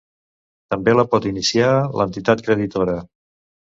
També la pot iniciar l'entitat creditora.